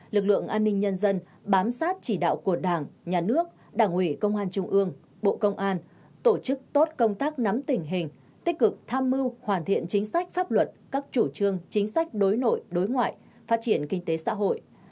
lực lượng an ninh nhân dân bám sát chỉ đạo của đảng nhà nước đảng ủy công an trung ương bộ công an tổ chức tốt công tác nắm tình hình tích cực tham mưu hoàn thiện chính sách pháp luật các chủ trương chính sách đối nội đối ngoại phát triển kinh tế xã hội